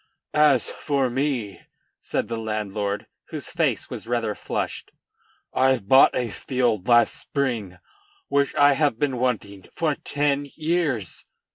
"As for me," said the landlord, whose face was rather flushed, "I bought a field last spring, which I had been wanting for ten years."